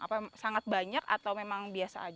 apa sangat banyak atau memang biasa aja